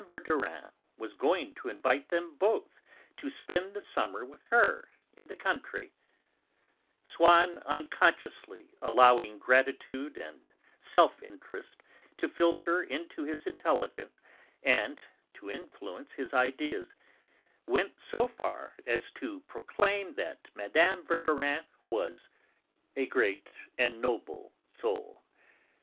Verdurin was going to invite them both to spend the summer with her in the country; Swann, unconsciously allowing gratitude and self interest to filter into his intelligence and to influence his ideas, went so far as to proclaim that Mme. Verdurin was "a great and noble soul."